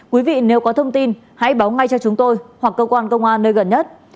quý vị nếu có thông tin hãy báo ngay cho chúng tôi hoặc cơ quan công an nơi gần nhất